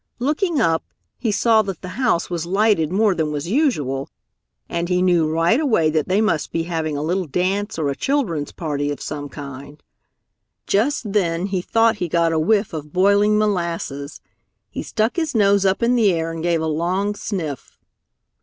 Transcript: Looking up, he saw that the house was lighted more than was usual, and he knew right away that they must be having a little dance or a children's party of some kind. Just then he thought he got a whiff of boiling molasses. He stuck his nose up in the air and gave a long sniff.